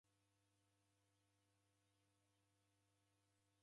Madaktari ghegoma.